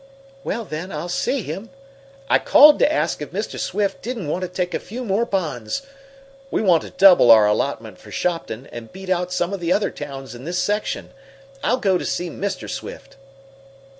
"Well, then I'll see him. I called to ask if Mr. Swift didn't want to take a few more bonds. We want to double our allotment for Shopton, and beat out some of the other towns in this section. I'll go to see Mr. Swift."